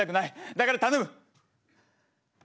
だから頼む！